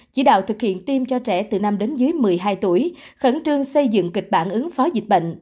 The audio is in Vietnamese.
chỉ đạo thực hiện tiêm cho trẻ từ năm đến dưới một mươi hai tuổi khẩn trương xây dựng kịch bản ứng phó dịch bệnh